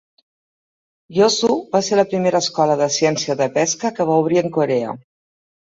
Yosu va ser la primera escola de ciència de pesca que va obrir en Corea.